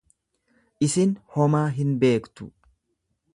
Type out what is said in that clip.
Isin homaa hin beektu.